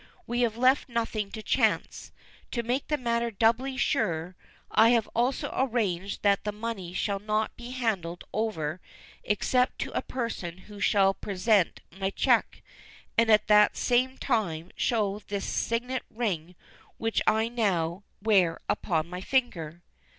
We have left nothing to chance. To make the matter doubly sure, I have also arranged that the money shall not be handed over except to a person who shall present my cheque, and at the same time show this signet ring which I now wear upon my finger."